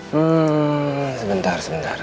hmm sebentar sebentar